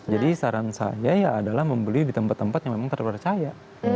jadi saran saya ya adalah membeli di tempat tempat yang memang terpercaya